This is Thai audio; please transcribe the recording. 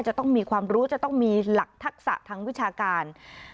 จะต้องมีความรู้จะต้องมีหลักทักษะทางวิชาการ